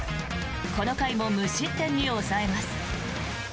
この回も無失点に抑えます。